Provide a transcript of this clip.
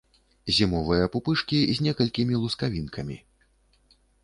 Зімовыя пупышкі з некалькімі лускавінкамі.